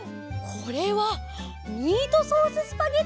これはミートソーススパゲッティです。